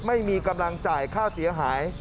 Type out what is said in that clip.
ไม่มีกำลังจ่ายค่าเสียหาย